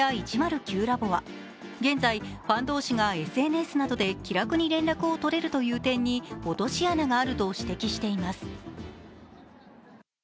ｌａｂ．は、現在、ファン同士がＳＮＳなどで気楽に連絡を取れるという点に落とし穴があると指摘しています。